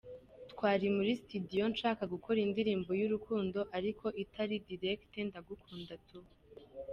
Twari muri studio nshaka gukora indirimbo y’urukundo ariko itari direct ndagukunda tu.